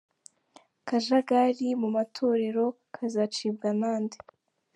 Akajagari mu matorero kazacibwa na nde?.